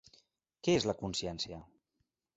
Què és la consciència?